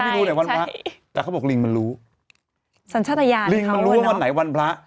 ไม่รู้ไหนวันพระแต่เขาบอกลิงมันรู้สัญชาติยานลิงมันรู้ว่าวันไหนวันพระ